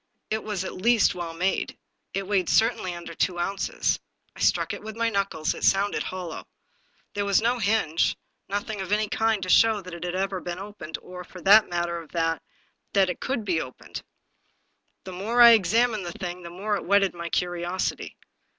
It was at least well made. It weighed certainly under two ounces. I struck it with my knuckles ; it sounded hollow. There was no hinge ; nothing of any kind to show that it ever had been opened, or, for the matter of that, that it ever could be opened. The more I examined the thing, the more it whetted my curiosity.